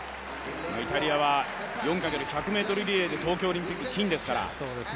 イタリアは４×１００ｍリレーで東京オリンピック、金ですから。